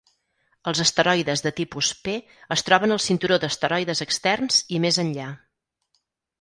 Els asteroides de tipus P es troben al cinturó d'asteroides externs i més enllà.